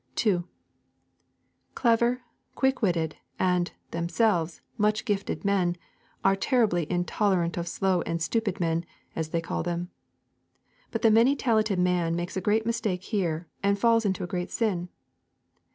2. Clever, quick witted, and, themselves, much gifted men, are terribly intolerant of slow and stupid men, as they call them. But the many talented man makes a great mistake here, and falls into a great sin.